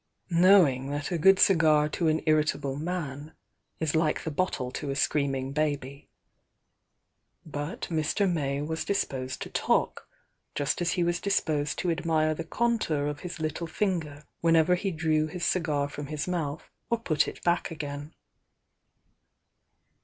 knowing that a good cigar to an irritable man is like the bottle to a screaming baby. But Mr. May was disposed to talk, just as he was disposed to admire the contour of his little finger whenever he drew his cigar from his mouth or put it back again.